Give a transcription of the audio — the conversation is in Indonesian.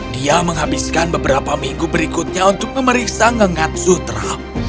dia menghabiskan beberapa minggu berikutnya untuk memeriksa